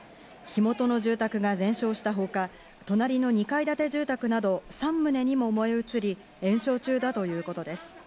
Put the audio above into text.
火元の住宅が全焼したほか、隣の２階建て住宅など３棟にも燃え移り、延焼中だということです。